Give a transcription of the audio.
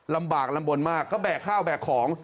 ลำบากลำบลมากก็แบกข้าวแบกของ